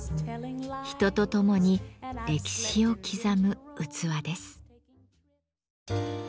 人とともに歴史を刻む器です。